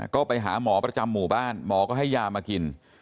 ก็ไปหาหมอประจำหมู่บ้านหมอก็ให้ยามากิน